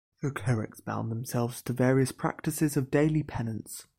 The Clerics bound themselves to various practices of daily penance.